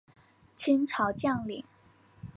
清朝将领。